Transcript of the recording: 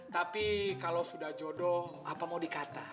tapi kalau sudah jodoh apa mau dikata